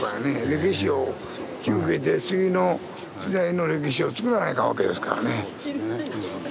歴史を引き受けて次の時代の歴史をつくらないかんわけですからね。